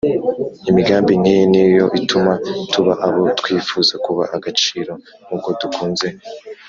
Imigambi nk iyi ni yo ituma tuba abo twifuza kuba agaciro nk uko dukunze